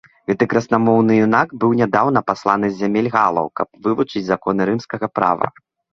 Гэты красамоўны юнак быў нядаўна пасланы з зямель галаў, каб вывучаць законы рымскага права.